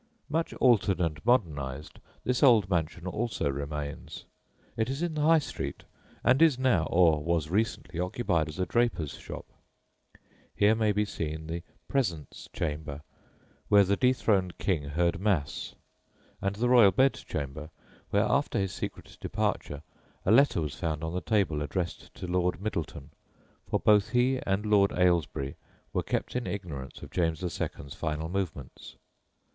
Much altered and modernised, this old mansion also remains. It is in the High Street, and is now, or was recently, occupied as a draper's shop. Here may be seen the "presence chamber" where the dethroned King heard Mass, and the royal bedchamber where, after his secret departure, a letter was found on the table addressed to Lord Middleton, for both he and Lord Ailesbury were kept in ignorance of James II.'s final movements.